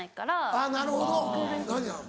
あっなるほど何や？